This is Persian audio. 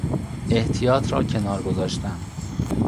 احتیاط را کنار گذاشتن